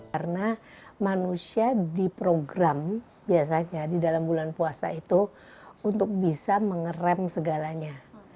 karena manusia diprogram biasanya di dalam bulan puasa itu untuk bisa mengeram segalanya